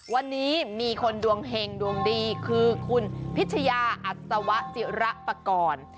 วันนี้มีคนดวงเห็งดวงดีคือคุณพิชยาอัศวะจิระปกรณ์